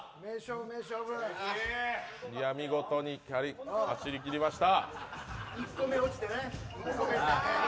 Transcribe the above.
見事に走り切りました。